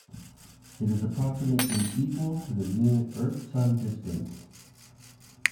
It is approximately equal to the mean Earth-Sun distance.